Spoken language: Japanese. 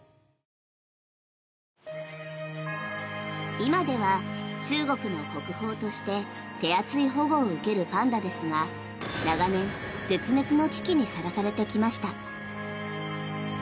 今では中国の国宝として手厚い保護を受けるパンダですが長年、絶滅の危機にさらされてきました。